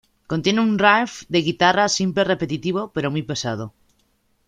Contiene un riff de guitarra simple y repetitivo, pero muy pesado.